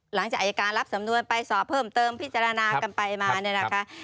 หลังจากอายการรับสำนวนไปสอบเพิ่มเติมพิจารณากันไปมาเนี่ยนะคะ